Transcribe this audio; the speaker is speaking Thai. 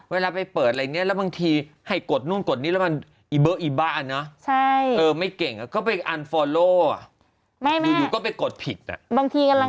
เวลาไปเปิดอะไรแล้วบางทีคือให้วิ่งกดนี่ก็ไปอีเบรอะไอบ้าเนี่ย